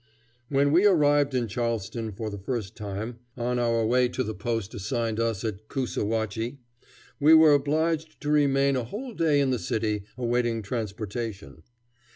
When we arrived in Charleston for the first time, on our way to the post assigned us at Coosawhatchie, we were obliged to remain a whole day in the city, awaiting transportation.